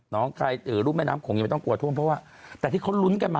ใครรุ่มแม่น้ำโขงยังไม่ต้องกลัวท่วมเพราะว่าแต่ที่เขาลุ้นกันมา